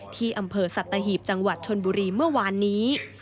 ที่อำเภอสัตหีบจังหวัดชนบุรีเมื่อวานนี้